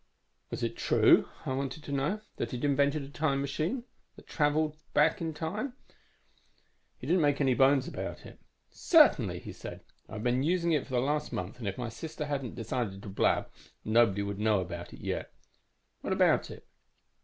"Was it true, I wanted to know, that he'd invented a machine that traveled in time? "He didn't make any bones about it. 'Certainly,' he said. 'I've been using it for the last month, and if my sister hadn't decided to blab nobody would know about it yet. What about it?'